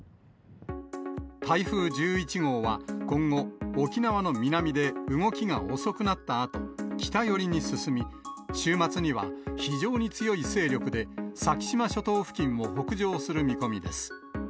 台風１１号は今後、沖縄の南で動きが遅くなったあと、北寄りに進み、週末には非常に強い勢力で、先島諸島付近を北上する見込みです。